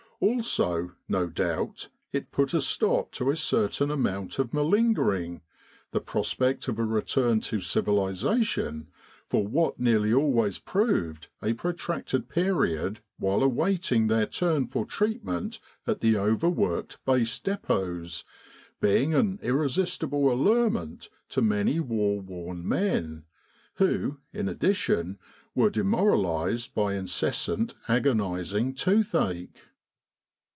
Also, no doubt, it put a stop to a certain amount of malingering, the prospect of a return to civilisa tion for ^vhat nearly always proved a protracted period while awaiting their turn for treatment at the overworked Base Depots, being an irresistible allure ment to many war worn men, who, in addition, were demoralised by incessant agonising toothache.